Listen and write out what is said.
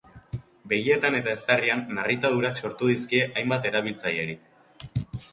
Begietan eta eztarrian narritadurak sortu dizkie hainbat erabiltzaileri.